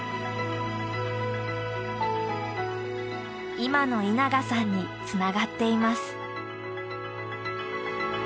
今の稲賀さんに繋がっています。